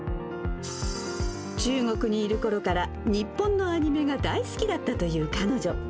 中国にいるころから日本のアニメが大好きだったという彼女。